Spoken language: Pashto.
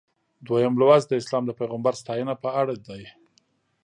دویم لوست د اسلام د پیغمبر ستاینه په اړه دی.